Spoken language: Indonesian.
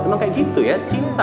emang kayak gitu ya cinta